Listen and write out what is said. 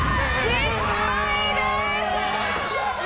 失敗です！